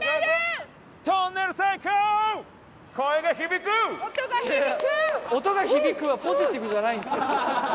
「音が響く」はポジティブじゃないんですよ。